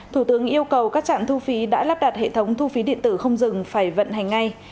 thủ tướng yêu cầu các trạm thu phí đã lắp đặt hệ thống thu phí điện tử không dừng phải vận hành ngay